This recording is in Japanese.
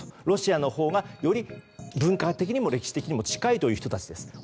ロシアのほうがより文化的にも歴史的にも近いという人たちです。